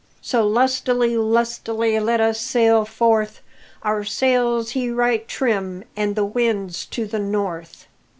So lustily, lustily, let us sail forth! Our sails he right trim an' the wind's to the north!"